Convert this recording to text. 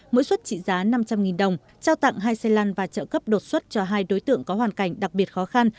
mỗi suất trị giá năm trăm linh đồng trao tặng hai xe lăn và trợ cấp đột xuất cho hai đối tượng có hoàn cảnh đặc biệt khó khăn